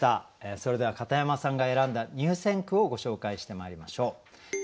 それでは片山さんが選んだ入選句をご紹介してまいりましょう。